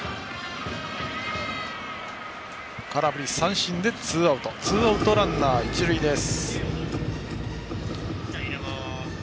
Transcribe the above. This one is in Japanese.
空振り三振でツーアウトランナー、一塁です。